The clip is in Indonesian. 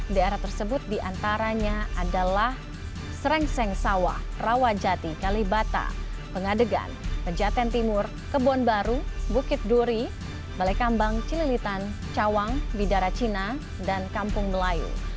daerah tersebut diantaranya adalah serengseng sawah rawajati kalibata pengadegan pejaten timur kebon baru bukit duri balai kambang cililitan cawang bidara cina dan kampung melayu